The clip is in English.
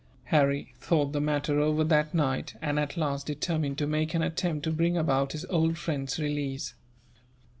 Harry thought the matter over that night and, at last, determined to make an attempt to bring about his old friend's release.